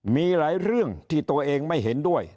มีหลายเรื่องที่ตัวเองไม่เห็นด้วย